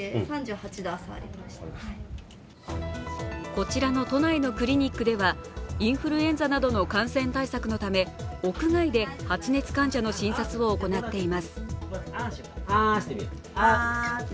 こちらの都内のクリニックではインフルエンザなどの感染対策のため、屋外で発熱患者の診察を行っています。